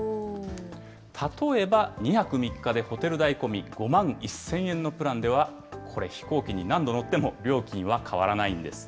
例えば、２泊３日でホテル代込み５万１０００円のプランでは、これ、飛行機に何度乗っても料金は変わらないんです。